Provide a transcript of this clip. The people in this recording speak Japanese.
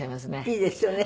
いいですよね